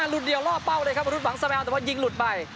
หลุดเดียวล่อเป้าเลยครับวรุษหวังแซวแต่ว่ายิงหลุดไป